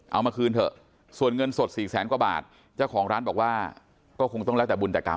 เอามาคืนเถอะส่วนเงินสด๔แสนกว่าบาทเจ้าของร้านบอกว่าก็คงต้องแล้วแต่บุญแต่กรรม